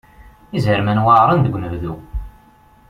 Izerman weɛren deg unebdu.